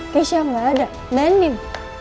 keisha gak ada mbak endin